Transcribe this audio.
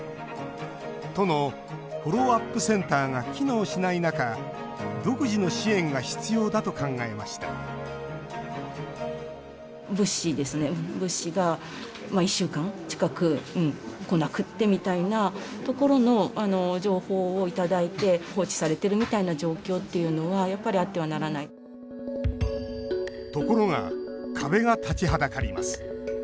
都のフォローアップセンターが機能しない中独自の支援が必要だと考えましたところが壁が立ちはだかります。